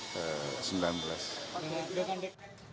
kubu yang akan bertarung di dua ribu sembilan belas